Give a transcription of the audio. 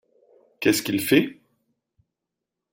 Qu’est-ce qu’il fait ?